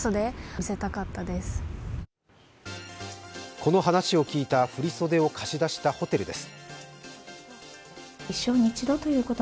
この話を聞いた振り袖を貸し出したホテルです。